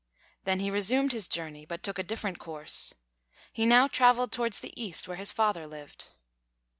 Then he resumed his journey, but took a different course. He now travelled towards the east, where his father lived.